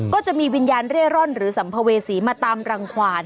ก็จะมีวิญญาณเร่ร่อนหรือสัมภเวษีมาตามรังขวาน